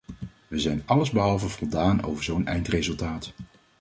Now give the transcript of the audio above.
Wij zijn allesbehalve voldaan over zo'n eindresultaat.